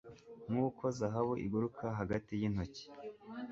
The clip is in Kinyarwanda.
Nkuko zahabu iguruka hagati yintoki